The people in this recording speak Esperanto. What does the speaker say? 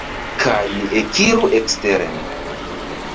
Kaj mi ekiru eksteren.